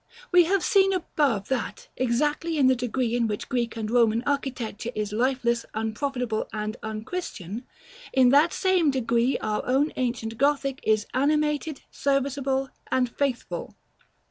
We have seen above, that exactly in the degree in which Greek and Roman architecture is lifeless, unprofitable, and unchristian, in that same degree our own ancient Gothic is animated, serviceable, and faithful.